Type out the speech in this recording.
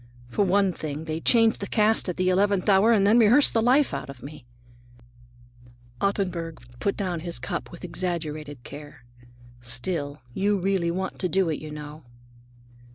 "For one thing, they change the cast at the eleventh hour and then rehearse the life out of me." Ottenburg put down his cup with exaggerated care. "Still, you really want to do it, you know."